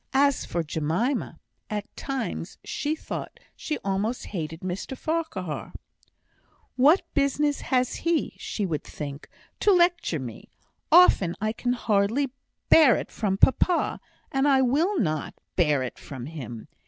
As for Jemima, at times she thought she almost hated Mr Farquhar. "What business has he," she would think, "to lecture me? Often I can hardly bear it from papa, and I will not bear it from him.